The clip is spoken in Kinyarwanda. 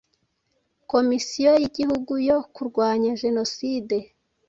Komisiyo y’Igihugu yo Kurwanya Jenoside